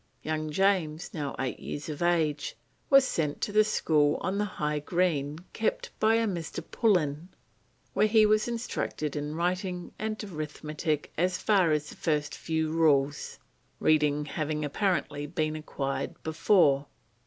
Young James, now eight years of age, was sent to the school on the High Green kept by a Mr. Pullen, where he was instructed in writing and arithmetic as far as the first few rules "reading having apparently been acquired before."